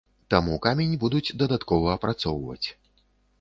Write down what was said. Таму камень будуць дадаткова апрацоўваць.